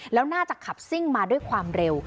แล้วน่าจะขับซิ่งมาด้วยความเร็ว